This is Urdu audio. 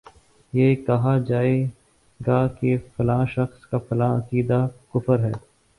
یہ کہا جائے گا کہ فلاں شخص کا فلاں عقیدہ کفر ہے